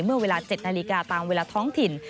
เมื่อเวลา๗นาฬิกาตามเวลาท้องถิ่น